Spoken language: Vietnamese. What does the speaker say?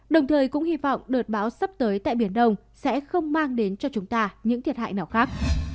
đồng thời cũng hy vọng đợt bão sắp tới tại biển đông sẽ không mang đến cho chúng ta những thiệt hại nào khác